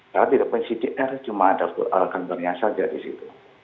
karena tidak punya cdr cuma ada kantornya saja disitu